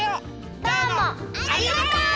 どうもありがとう！